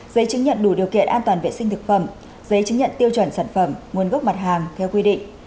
giấy chứng nhận đủ điều kiện an toàn vệ sinh thực phẩm giấy chứng nhận tiêu chuẩn sản phẩm nguồn gốc mặt hàng theo quy định